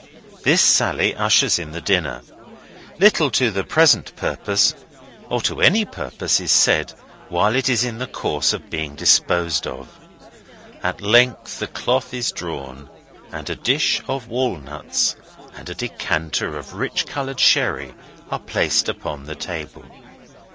This sally ushers in the dinner. Little to the present purpose, or to any purpose, is said, while it is in course of being disposed of. At length the cloth is drawn, and a dish of walnuts and a decanter of rich coloured sherry are placed upon the table.